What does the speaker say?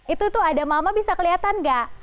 itu tuh ada mama bisa kelihatan nggak